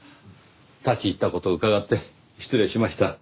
立ち入った事を伺って失礼しました。